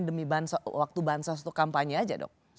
demi waktu bansos itu kampanye saja dok